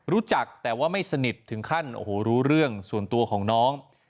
รู้จักแต่ว่าไม่สนิทถึงขั้นโอ้โหรู้เรื่องส่วนตัวของน้อง